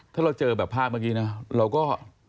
ถ้าเราเจอแบบภาพเมื่อกี้นะเราก็